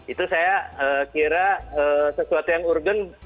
itu saya kira sesuatu yang urgen